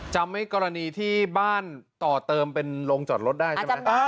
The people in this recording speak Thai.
จำไม่กรณีที่บ้านต่อเติมเป็นโรงจอดรถได้ใช่ไหม